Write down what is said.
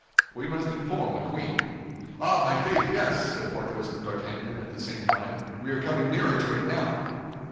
"We must inform the queen." "Ah, my faith, yes!" said Porthos and D'Artagnan, at the same time; "we are coming nearer to it now."